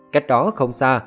cách đó không xa